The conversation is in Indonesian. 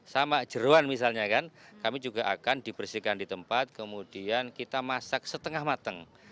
sama jeruan misalnya kan kami juga akan dibersihkan di tempat kemudian kita masak setengah mateng